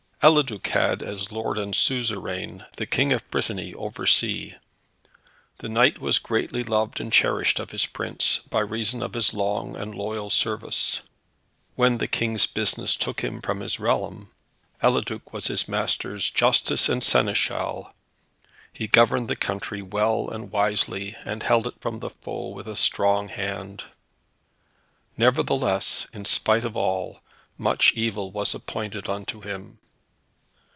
Eliduc had as lord and suzerain, the King of Brittany over Sea. The knight was greatly loved and cherished of his prince, by reason of his long and loyal service. When the King's business took him from his realm, Eliduc was his master's Justice and Seneschal. He governed the country well and wisely, and held it from the foe with a strong hand. Nevertheless, in spite of all, much evil was appointed unto him.